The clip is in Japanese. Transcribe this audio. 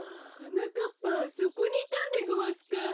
はなかっぱそこにいたんでごわすか。